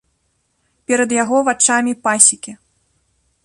Перад яго вачамі пасекі.